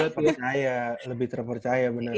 lebih saya lebih terpercaya benar